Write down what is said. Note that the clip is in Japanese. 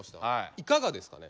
いかがですかね？